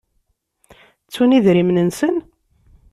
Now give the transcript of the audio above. Ttun idrimen-nsen?